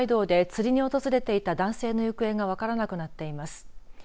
北海道で釣りに訪れていた男性の行方が分からなくなっています。